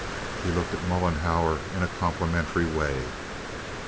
(He looked at Mollenhauer in a complimentary way.)